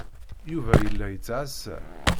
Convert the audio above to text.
Yuba yella yettɛassa.